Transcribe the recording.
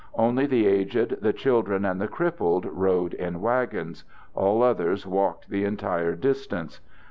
Only the aged, the children, and the crippled rode in wagons—all others walked the entire distance.